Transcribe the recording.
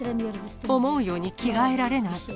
思うように着替えられない。